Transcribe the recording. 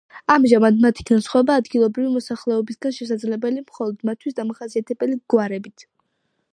ამჟამად მათი განსხვავება ადგილობრივი მოსახლეობისაგან შესაძლებელი მხოლოდ მათთვის დამახასიათებელი გვარებით.